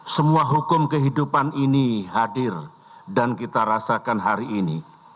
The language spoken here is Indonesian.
semua hukum kehidupan ini hadir dan kita rasakan hari ini